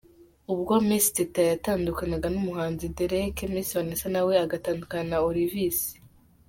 Ubwo Miss Teta yatandukanaga n’umuhanzi Derek, Miss Vanessa nawe agatandukana na Olivis.